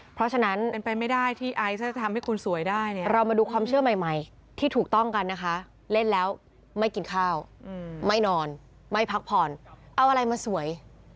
เพราะฉะนั้นเป็นไปไม่ได้ที่ไอซ์ถ้าจะทำให้คุณสวยได้เนี่ยเรามาดูความเชื่อใหม่ที่ถูกต้องกันนะคะเล่นแล้วไม่กินข้าวไม่นอนไม่พักผ่อนเอาอะไรมาสวย